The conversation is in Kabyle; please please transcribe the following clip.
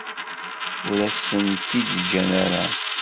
Ur as-tent-id-ǧǧan ara.